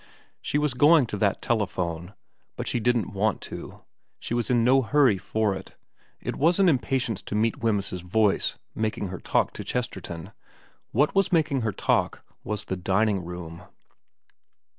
She was going to that telephone, but she didn't want to, she was in no hurry for it, it wasn't impatience to meet Wemyss's voice making her talk to Chesterton ; what was making her talk was the dining room.